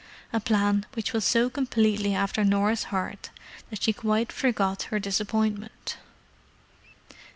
A plan which was so completely after Norah's heart that she quite forgot her disappointment.